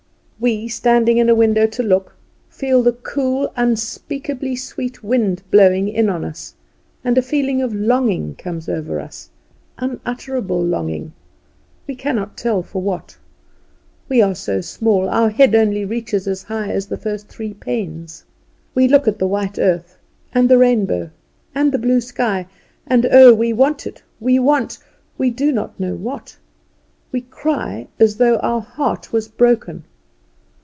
We, standing in a window to look, feel the cool, unspeakably sweet wind blowing in on us, and a feeling of longing comes over us unutterable longing, we cannot tell for what. We are so small, our head only reaches as high as the first three panes. We look at the white earth, and the rainbow, and the blue sky; and oh, we want it, we want we do not know what. We cry as though our heart was broken.